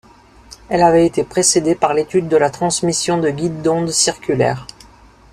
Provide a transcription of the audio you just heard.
Elle avait été précédée par l'étude de la transmission de guide d'ondes circulaires.